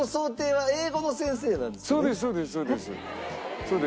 そうです